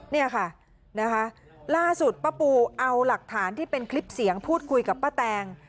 เนี่ยค่ะนะคะล่าสุดป้าปูเอาหลักฐานที่เป็นคลิปเสียงพูดคุยกับป้าแตง